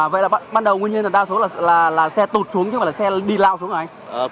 vậy là ban đầu nguyên nhân là xe tụt xuống chứ không là xe đi lao xuống rồi hả anh